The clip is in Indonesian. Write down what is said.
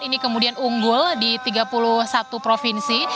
ini kemudian unggul di tiga puluh satu provinsi